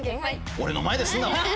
俺の前でするなよ！